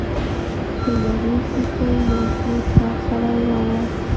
له يوې کېږدۍ يو تور چاغ سړی راووت.